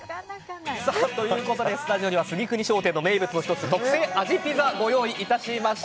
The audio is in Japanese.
スタジオには杉国商店の名物の１つ特製あじピザご用意いたしました。